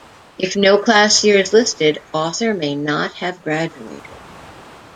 If no class year is listed, author may not have graduated.